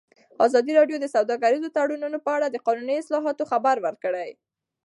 ازادي راډیو د سوداګریز تړونونه په اړه د قانوني اصلاحاتو خبر ورکړی.